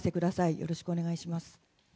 よろしくお願いします。